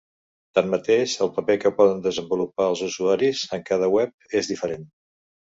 Tanmateix, el paper que poden desenvolupar els usuaris en cada web és diferent.